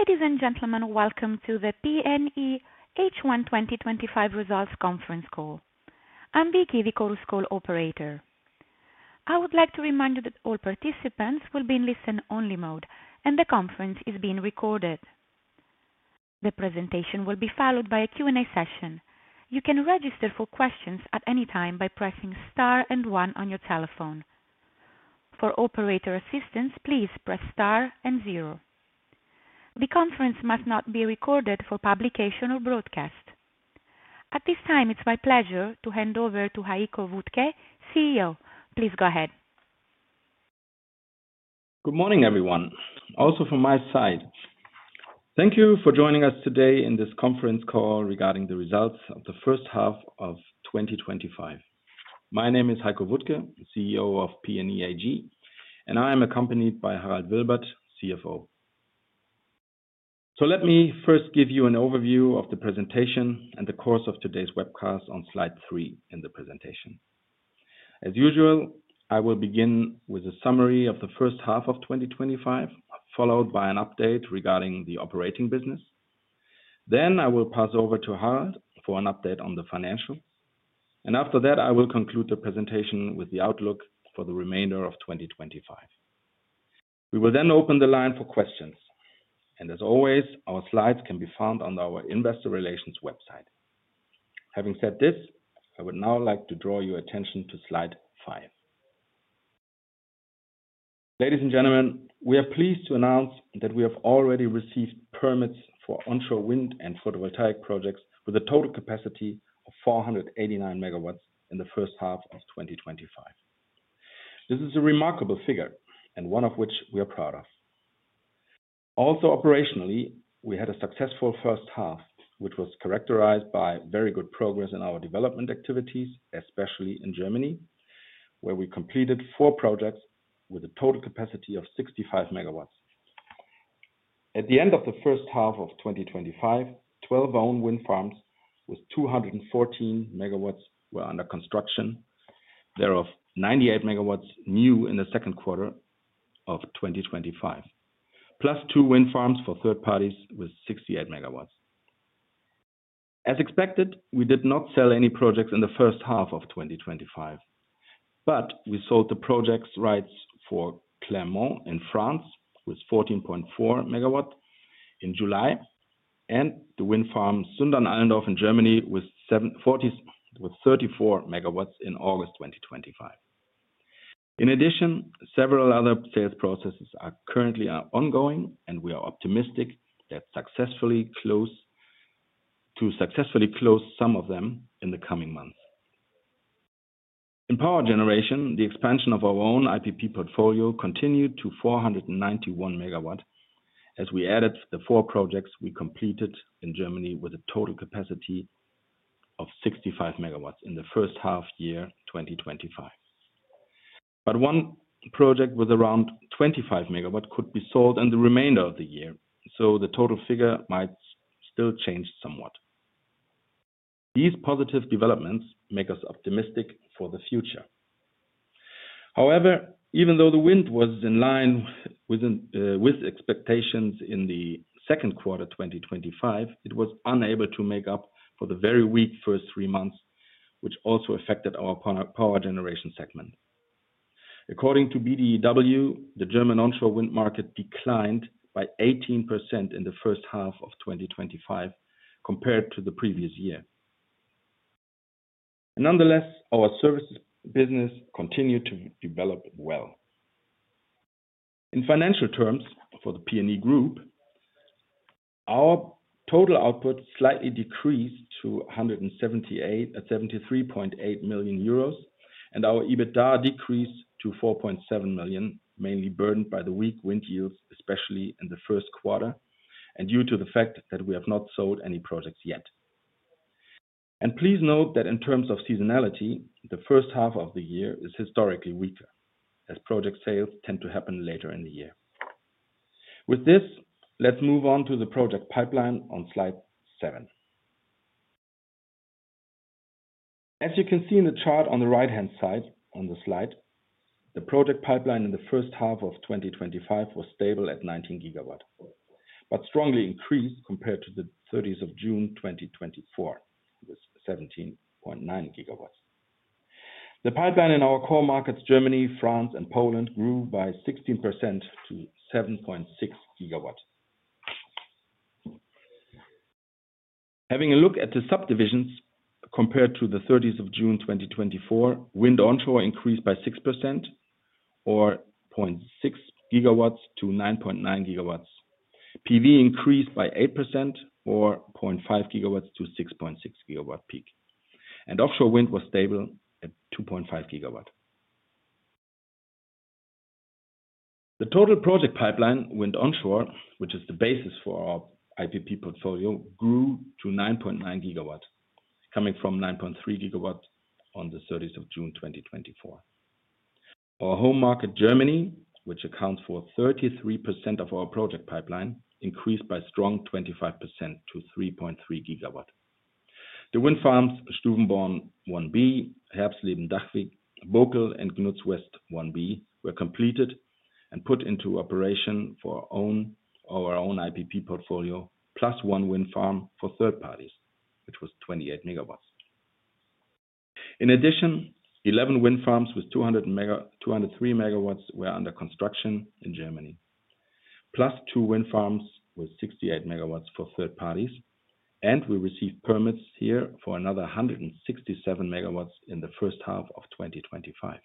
Ladies and gentlemen, welcome to the PNE H1 2025 Results Conference Call. I'm Vicki, the Chorus Call operator. I would like to remind you that all participants will be in listen-only mode, and the conference is being recorded. The presentation will be followed by a Q&A session. You can register for questions at any time by pressing star and one on your telephone. For operator assistance, please press star and zero. The conference must not be recorded for publication or broadcast. At this time, it's my pleasure to hand over to Heiko Wuttke, CEO. Please go ahead. Good morning, everyone. Also from my side, thank you for joining us today in this conference call regarding the results of the first half of 2025. My name is Heiko Wuttke, CEO of PNE AG, and I am accompanied by Harald Wilbert, CFO. Let me first give you an overview of the presentation and the course of today's webcast on slide three in the presentation. As usual, I will begin with a summary of the first half of 2025, followed by an update regarding the operating business. I will pass over to Harald for an update on the financial, and after that, I will conclude the presentation with the outlook for the remainder of 2025. We will then open the line for questions, and as always, our slides can be found on our investor relations website. Having said this, I would now like to draw your attention to slide five. Ladies and gentlemen, we are pleased to announce that we have already received permits for onshore wind and photovoltaic projects with a total capacity of 489 MW in the first half of 2025. This is a remarkable figure, and one of which we are proud. Also, operationally, we had a successful first half, which was characterized by very good progress in our development activities, especially in Germany, where we completed four projects with a total capacity of 65 MW. At the end of the first half of 2025, 12 own wind farms with 214 MW were under construction, thereof 98 MW new in the second quarter of 2025, plus two wind farms for third parties with 68 MW. As expected, we did not sell any projects in the first half of 2025, but we sold the projects' rights for Clermont in France with 14.4 MW in July and the wind farm Sundern-Allendorf in Germany with 34 MW in August 2025. In addition, several other sales processes are currently ongoing, and we are optimistic that we will successfully close some of them in the coming months. In power generation, the expansion of our own independent power producer (IPP) portfolio continued to 491 MW as we added the four projects we completed in Germany with a total capacity of 65 MW in the first half of the year 2025. One project with around 25 MW could be sold in the remainder of the year, so the total figure might still change somewhat. These positive developments make us optimistic for the future. However, even though the wind was in line with expectations in the second quarter of 2025, it was unable to make up for the very weak first three months, which also affected our power generation segment. According to BDEW, the German onshore wind market declined by 18% in the first half of 2025 compared to the previous year. Nonetheless, our services business continued to develop well. In financial terms, for the PNE Group, our total output slightly decreased to 173.8 million euros, and our EBITDA decreased to 4.7 million, mainly burdened by the weak wind yields, especially in the first quarter, and due to the fact that we have not sold any projects yet. Please note that in terms of seasonality, the first half of the year is historically weaker as project sales tend to happen later in the year. With this, let's move on to the project pipeline on slide seven. As you can see in the chart on the right-hand side on the slide, the project pipeline in the first half of 2025 was stable at 19 GW, but strongly increased compared to the 30th of June 2024, with 17.9 GW. The pipeline in our core markets, Germany, France, and Poland, grew by 16% to 7.6 GW. Having a look at the subdivisions compared to the 30th of June 2024, wind onshore increased by 6% or 0.6 GW to 9.9 GW. PV increased by 8% or 0.5 GW to 6.6 GW peak, and offshore wind was stable at 2.5 GW. The total project pipeline wind onshore, which is the basis for our IPP portfolio, grew to 9.9 GW, coming from 9.3 GW on the 30th of June 2024. Our home market, Germany, which accounts for 33% of our project pipeline, increased by a strong 25% to 3.3 GW. The wind farms Stuvenborn 1B, Herbsleben-Dachwig, Bokel, and Gnutz West 1B were completed and put into operation for our own IPP portfolio, plus one wind farm for third parties, which was 28 MW. In addition, 11 wind farms with 203 MW were under construction in Germany, plus two wind farms with 68 MW for third parties, and we received permits here for another 167 MW in the first half of 2025.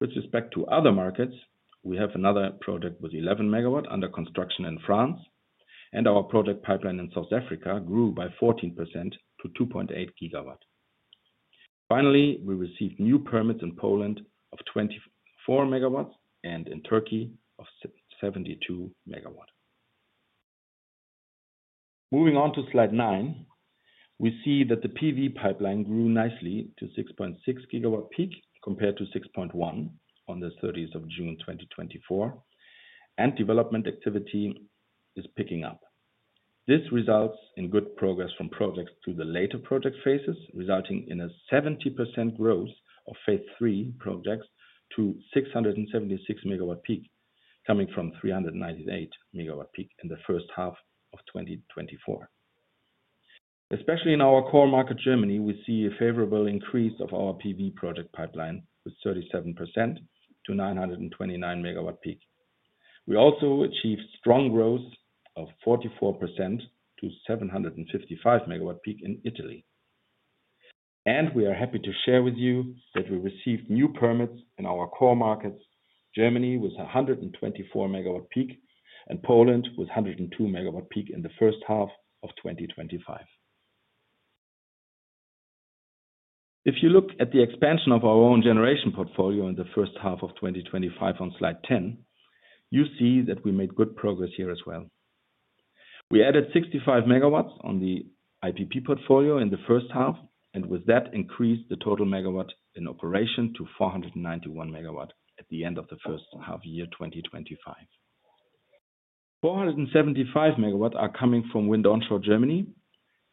With respect to other markets, we have another project with 11 MW under construction in France, and our project pipeline in South Africa grew by 14% to 2.8 GW. Finally, we received new permits in Poland of 24 MW and in Turkey of 72 MW. Moving on to slide nine, we see that the PV pipeline grew nicely to 6.6 GW peak compared to 6.1 GW on the 30th of June 2024, and development activity is picking up. This results in good progress from projects to the later project phases, resulting in a 70% growth of phase III projects to 676 MW peak, coming from 398 MW peak in the first half of 2024. Especially in our core market, Germany, we see a favorable increase of our PV project pipeline with 37% to 929 MW peak. We also achieved strong growth of 44% to 755 MW peak in Italy. We are happy to share with you that we received new permits in our core markets, Germany with 124 MW peak and Poland with 102 MW peak in the first half of 2025. If you look at the expansion of our own generation portfolio in the first half of 2025 on slide 10, you see that we made good progress here as well. We added 65 MW on the IPP portfolio in the first half, and with that increased the total megawatt in operation to 491 MW at the end of the first half of the year 2025. 475 MW are coming from wind onshore Germany,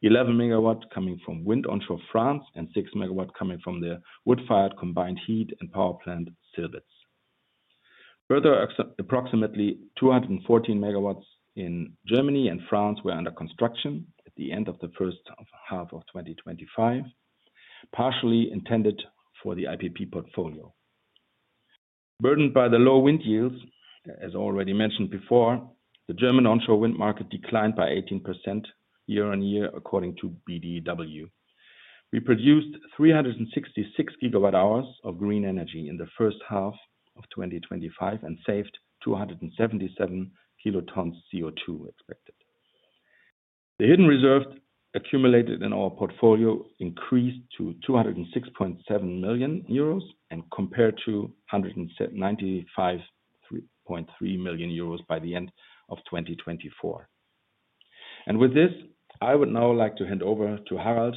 11 MW coming from wind onshore France, and 6 MW coming from the wood-fired combined heat and power plant Silbitz. Further, approximately 214 MW in Germany and France were under construction at the end of the first half of 2025, partially intended for the IPP portfolio. Burdened by the low wind yields, as already mentioned before, the German onshore wind market declined by 18% year on year, according to BDEW. We produced 366 gigawatt-hours of green energy in the first half of 2025 and saved 277 kilotons CO2e. The hidden reserves accumulated in our portfolio increased to 206.7 million euros and compared to 195.3 million euros by the end of 2024. I would now like to hand over to Harald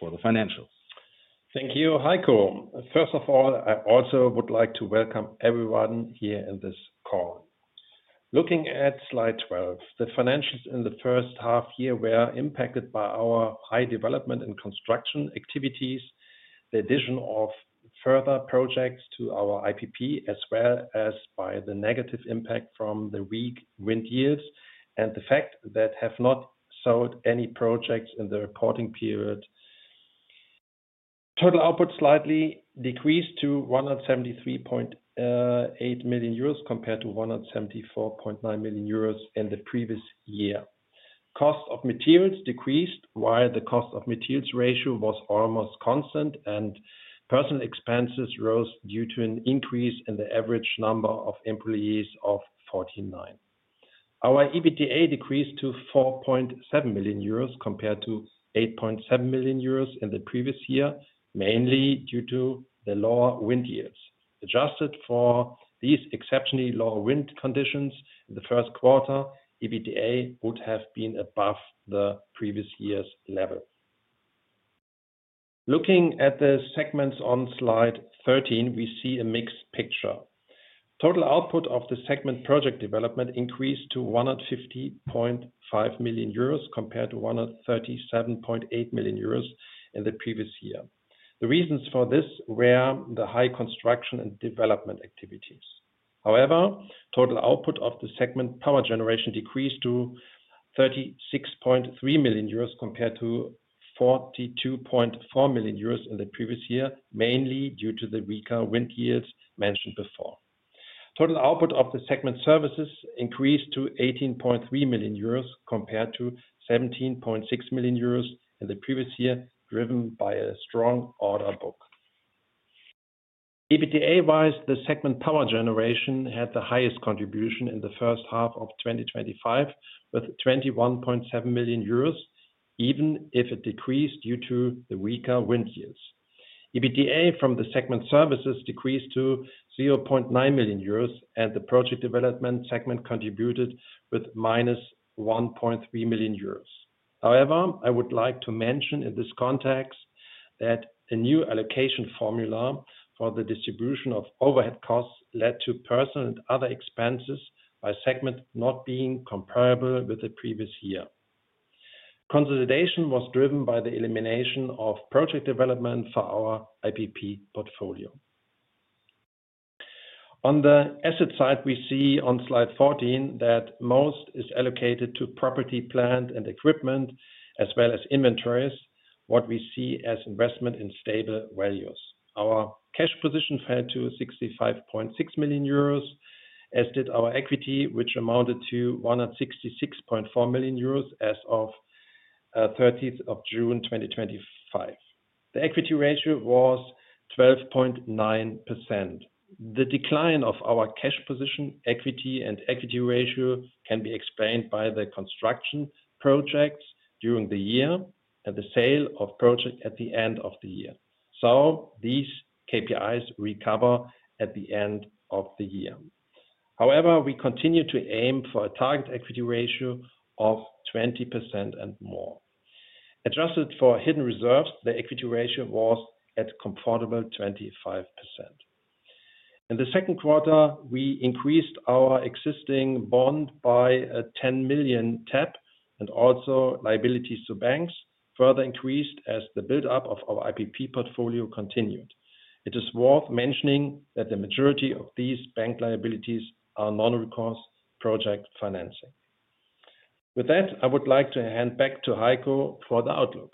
for the financials. Thank you, Heiko. First of all, I also would like to welcome everyone here in this call. Looking at slide 12, the financials in the first half of the year were impacted by our high development and construction activities, the addition of further projects to our IPP, as well as by the negative impact from the weak wind yields and the fact that we have not sold any projects in the reporting period. Total output slightly decreased to 173.8 million euros compared to 174.9 million euros in the previous year. Cost of materials decreased while the cost of materials ratio was almost constant, and personnel expenses rose due to an increase in the average number of employees of 49. Our EBITDA decreased to 4.7 million euros compared to 8.7 million euros in the previous year, mainly due to the lower wind yields. Adjusted for these exceptionally low wind conditions in the first quarter, EBITDA would have been above the previous year's level. Looking at the segments on slide 13, we see a mixed picture. Total output of the segment project development increased to 150.5 million euros compared to 137.8 million euros in the previous year. The reasons for this were the high construction and development activities. However, total output of the segment power generation decreased to 36.3 million euros compared to 42.4 million euros in the previous year, mainly due to the weaker wind yields mentioned before. Total output of the segment services increased to 18.3 million euros compared to 17.6 million euros in the previous year, driven by a strong order book. EBITDA-wise, the segment power generation had the highest contribution in the first half of 2025 with 21.7 million euros, even if it decreased due to the weaker wind yields. EBITDA from the segment services decreased to 0.9 million euros, and the project development segment contributed with -1.3 million euros. However, I would like to mention in this context that a new allocation formula for the distribution of overhead costs led to personnel and other expenses by segment not being comparable with the previous year. Consolidation was driven by the elimination of project development for our IPP portfolio. On the asset side, we see on slide 14 that most is allocated to property, plant, and equipment, as well as inventories, which we see as investment in stable values. Our cash position fell to 65.6 million euros, as did our equity, which amounted to 166.4 million euros as of the 30th of June 2025. The equity ratio was 12.9%. The decline of our cash position, equity, and equity ratio can be explained by the construction projects during the year and the sale of projects at the end of the year. These KPIs recover at the end of the year. However, we continue to aim for a target equity ratio of 20% and more. Adjusted for hidden reserves, the equity ratio was at a comfortable 25%. In the second quarter, we increased our existing bond by a 10 million tap, and also liabilities to banks further increased as the buildup of our IPP portfolio continued. It is worth mentioning that the majority of these bank liabilities are non-recourse project financing. With that, I would like to hand back to Heiko for the outlook.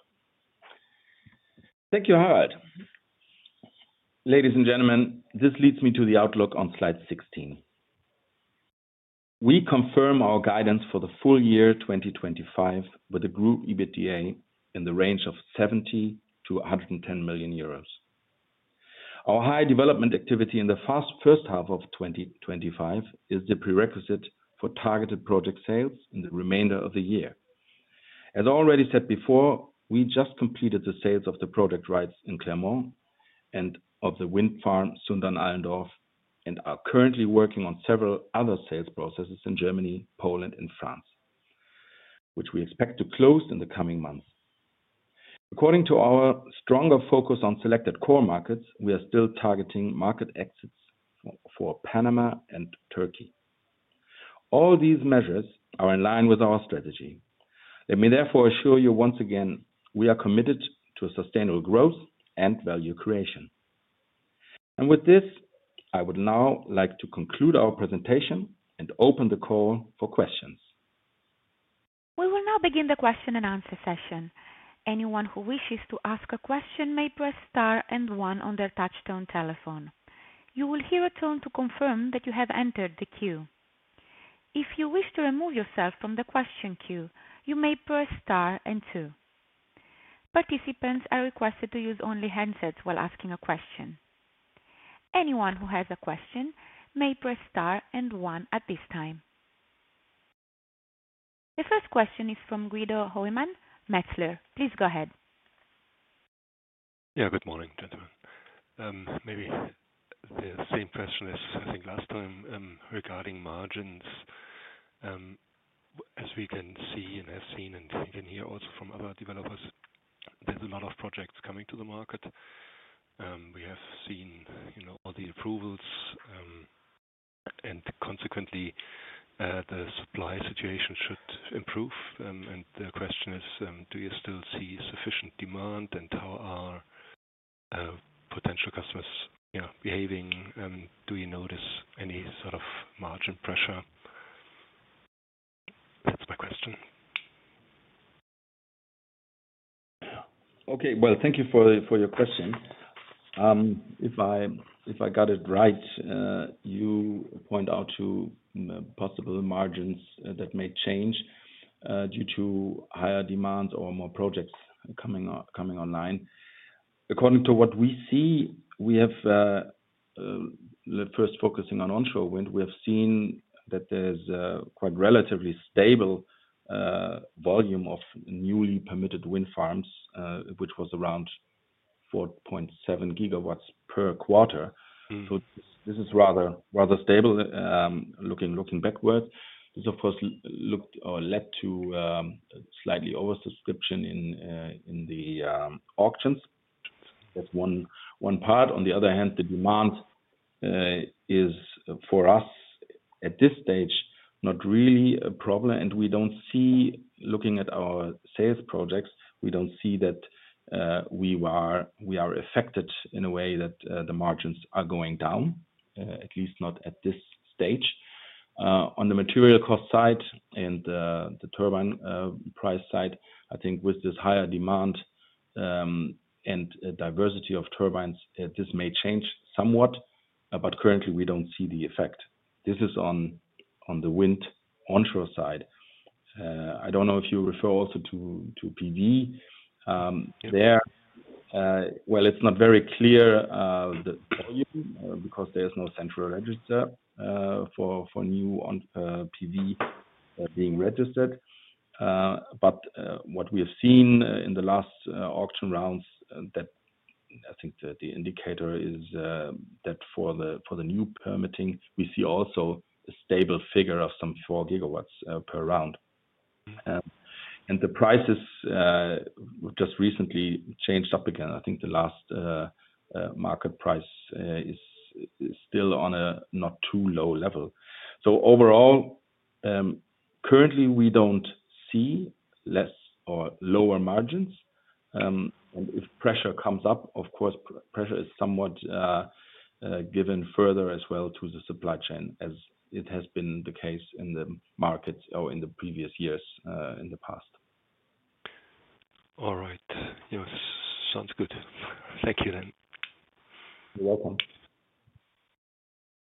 Thank you, Harald. Ladies and gentlemen, this leads me to the outlook on slide 16. We confirm our guidance for the full year 2025 with a group EBITDA in the range of 70 million-110 million euros. Our high development activity in the first half of 2025 is the prerequisite for targeted project sales in the remainder of the year. As already said before, we just completed the sales of the project rights in Clermont and of the wind farm Sundern-Allendorf and are currently working on several other sales processes in Germany, Poland, and France, which we expect to close in the coming months. According to our stronger focus on selected core markets, we are still targeting market exits for Panama and Turkey. All these measures are in line with our strategy. Let me therefore assure you once again, we are committed to sustainable growth and value creation. With this, I would now like to conclude our presentation and open the call for questions. We will now begin the question and answer session. Anyone who wishes to ask a question may press star and one on their touch-tone telephone. You will hear a tone to confirm that you have entered the queue. If you wish to remove yourself from the question queue, you may press star and two. Participants are requested to use only headsets while asking a question. Anyone who has a question may press star and one at this time. The first question is from Guido Hoymann, Metzler. Please go ahead. Good morning, gentlemen. Maybe the same question as I think last time regarding margins. As we can see and have seen, and we can hear also from other developers, there's a lot of projects coming to the market. We have seen all the approvals, consequently, the supply situation should improve. The question is, do you still see sufficient demand and how are potential customers behaving? Do you notice any sort of margin pressure? That's my question. Okay, thank you for your question. If I got it right, you point out to possible margins that may change due to higher demand or more projects coming online. According to what we see, first focusing on onshore wind, we have seen that there's quite a relatively stable volume of newly permitted wind farms, which was around 4.7 GW per quarter. This is rather stable looking backwards. This, of course, led to a slightly oversubscription in the auctions. That's one part. On the other hand, the demand is for us at this stage not really a problem, and we don't see, looking at our sales projects, that we are affected in a way that the margins are going down, at least not at this stage. On the material cost side and the turbine price side, I think with this higher demand and diversity of turbines, this may change somewhat, but currently we don't see the effect. This is on the wind onshore side. I don't know if you refer also to PV there. It's not very clear the volume because there's no central register for new PV being registered. What we have seen in the last auction rounds, I think the indicator is that for the new permitting, we see also a stable figure of some 4 GW per round. The prices just recently changed up again. I think the last market price is still on a not too low level. Overall, currently we don't see less or lower margins. If pressure comes up, of course, pressure is somewhat given further as well to the supply chain as it has been the case in the markets or in the previous years in the past. All right. Yeah, sounds good. Thank you then. You're welcome.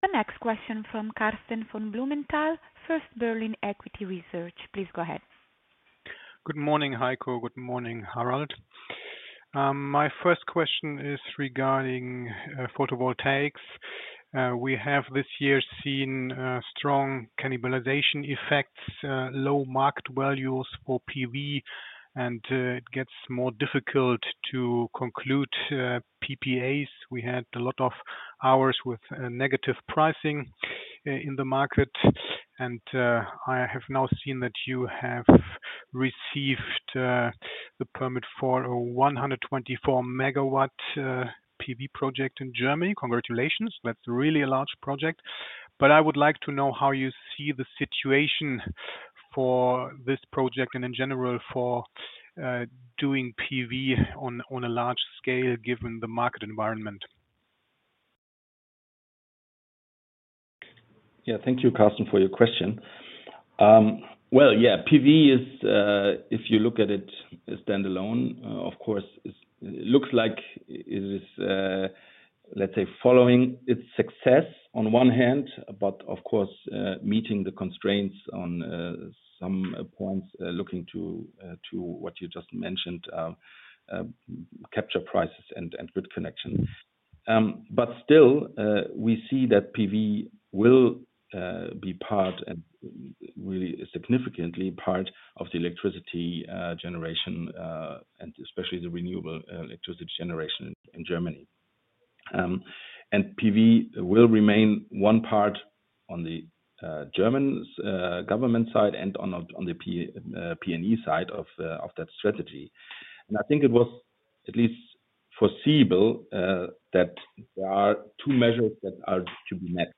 The next question from Karsten von Blumenthal, First Berlin Equity Research. Please go ahead. Good morning, Heiko. Good morning, Harald. My first question is regarding photovoltaics. We have this year seen strong cannibalization effects, low market values for PV, and it gets more difficult to conclude PPAs. We had a lot of hours with negative pricing in the market. I have now seen that you have received the permit for a 124 MW PV project in Germany. Congratulations. That's really a large project. I would like to know how you see the situation for this project and in general for doing PV on a large scale given the market environment. Thank you, Karsten, for your question. PV is, if you look at it, standalone. Of course, it looks like it is, let's say, following its success on one hand, but of course, meeting the constraints on some points, looking to what you just mentioned, capture prices and grid connections. Still, we see that PV will be part and really significantly part of the electricity generation and especially the renewable electricity generation in Germany. PV will remain one part on the German government side and on the PNE side of that strategy. I think it was at least foreseeable that there are two measures that are to be met.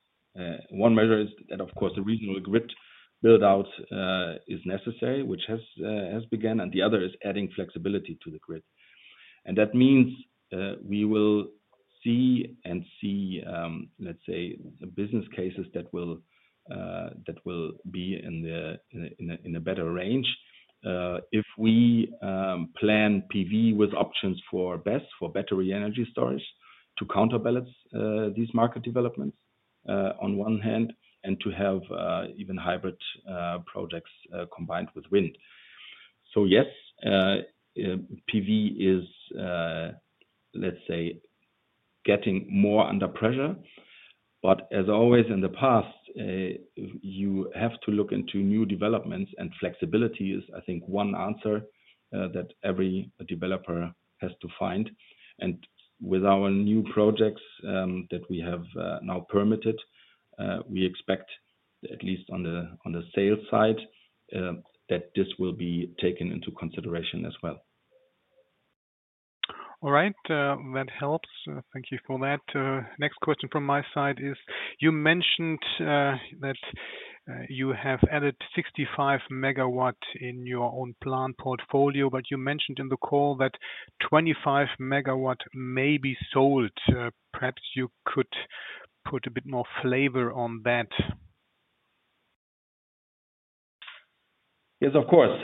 One measure is that, of course, the regional grid build-out is necessary, which has begun, and the other is adding flexibility to the grid. That means we will see and see, let's say, business cases that will be in a better range if we plan PV with options for battery energy storage, to counterbalance these market developments on one hand, and to have even hybrid projects combined with wind. Yes, PV is, let's say, getting more under pressure. As always in the past, you have to look into new developments, and flexibility is, I think, one answer that every developer has to find. With our new projects that we have now permitted, we expect, at least on the sales side, that this will be taken into consideration as well. All right, that helps. Thank you for that. Next question from my side is, you mentioned that you have added 65 MW in your own plan portfolio, but you mentioned in the call that 25 MW may be sold. Perhaps you could put a bit more flavor on that. Yes, of course.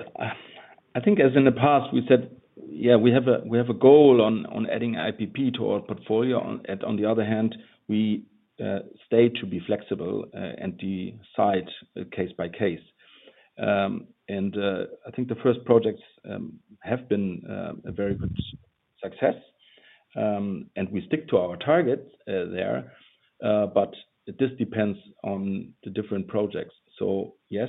I think as in the past, we said, yeah, we have a goal on adding IPP to our portfolio. On the other hand, we stay to be flexible and decide case by case. I think the first projects have been a very good success, and we stick to our targets there. This depends on the different projects. Yes,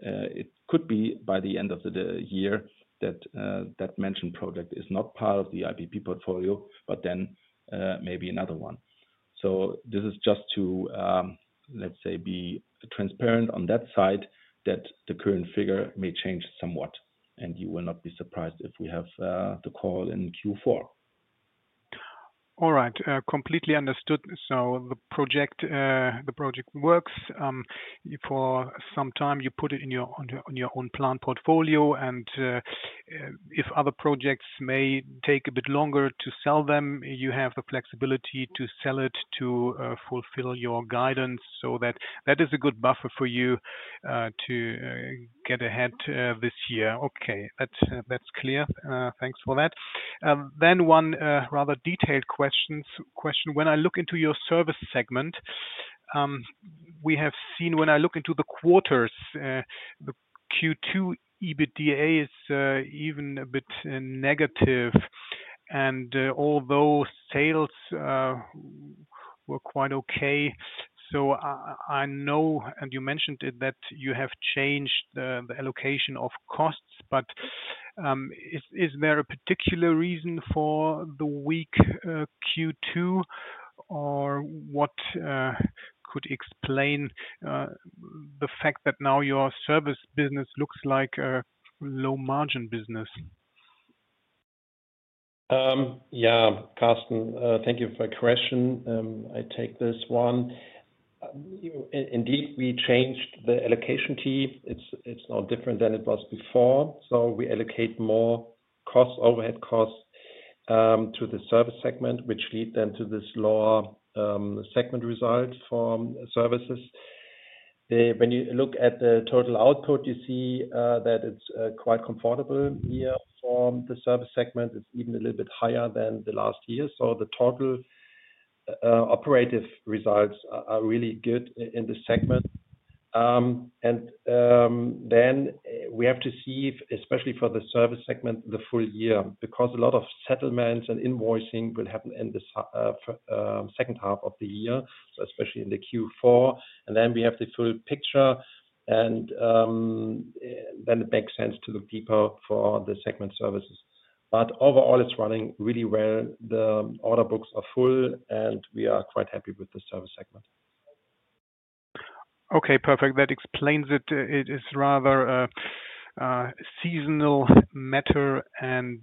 it could be by the end of the year that that mentioned project is not part of the IPP portfolio, but then maybe another one. This is just to, let's say, be transparent on that side that the current figure may change somewhat, and you will not be surprised if we have the call in Q4. All right, completely understood. The project works for some time. You put it in your own plan portfolio, and if other projects may take a bit longer to sell, you have the flexibility to sell it to fulfill your guidance. That is a good buffer for you to get ahead this year. Okay, that's clear. Thanks for that. One rather detailed question. When I look into your services segment, we have seen when I look into the quarters, the Q2 EBITDA is even a bit negative, and although sales were quite okay. I know, and you mentioned it, that you have changed the allocation of costs. Is there a particular reason for the weak Q2, or what could explain the fact that now your services business looks like a low-margin business? Yeah, Karsten, thank you for the question. I take this one. Indeed, we changed the allocation key. It's not different than it was before. We allocate more costs, overhead costs to the services segment, which leads then to this lower segment result for services. When you look at the total output, you see that it's quite comfortable here for the services segment. It's even a little bit higher than last year. The total operative results are really good in this segment. We have to see, especially for the services segment, the full year because a lot of settlements and invoicing will happen in the second half of the year, especially in Q4. We have the full picture, and then it makes sense to look deeper for the segment services. Overall, it's running really well. The order books are full, and we are quite happy with the services segment. Okay, perfect. That explains it. It is rather a seasonal matter, and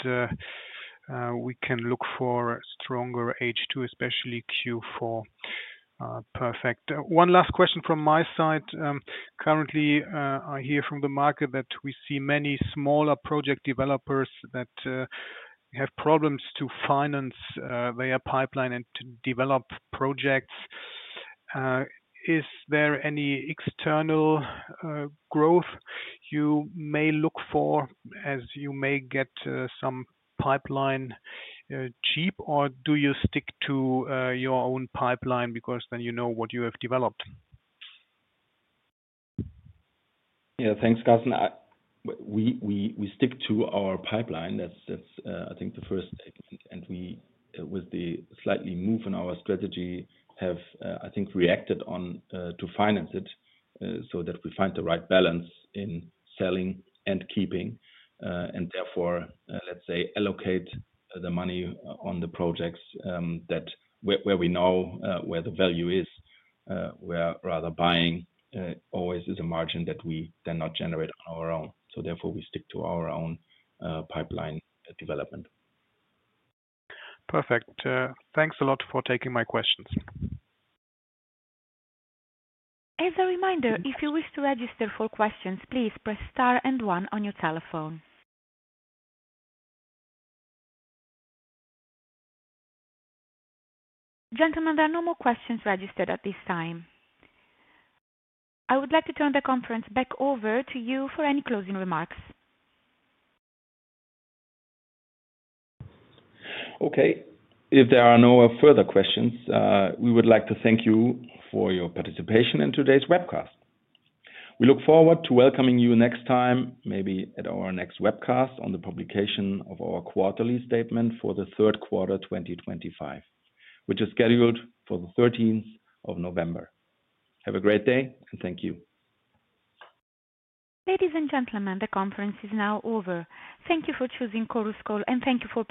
we can look for stronger H2, especially Q4. Perfect. One last question from my side. Currently, I hear from the market that we see many smaller project developers that have problems to finance their pipeline and to develop projects. Is there any external growth you may look for as you may get some pipeline cheap, or do you stick to your own pipeline because then you know what you have developed? Yeah, thanks, Karsten. We stick to our pipeline. That's, I think, the first statement. With the slight move in our strategy, we have, I think, reacted to finance it so that we find the right balance in selling and keeping, and therefore, let's say, allocate the money on the projects where we know where the value is, where rather buying always is a margin that we then not generate on our own. Therefore, we stick to our own pipeline development. Perfect. Thanks a lot for taking my questions. As a reminder, if you wish to register for questions, please press star and one on your telephone. Gentlemen, there are no more questions registered at this time. I would like to turn the conference back over to you for any closing remarks. Okay. If there are no further questions, we would like to thank you for your participation in today's webcast. We look forward to welcoming you next time, maybe at our next webcast on the publication of our quarterly statement for the third quarter 2025, which is scheduled for the 13th of November. Have a great day, and thank you. Ladies and gentlemen, the conference is now over. Thank you for choosing Chorus Call, and thank you.